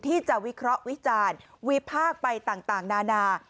ที่จะวิเคราะห์วิจารณ์วิภาคไปต่างนานา